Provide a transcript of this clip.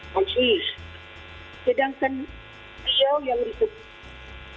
pak sirus sedangkan beliau yang dihukum